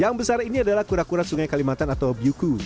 yang besar ini adalah kura kura sungai kalimantan atau byuku